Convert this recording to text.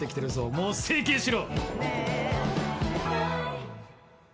「もう整形しろ！」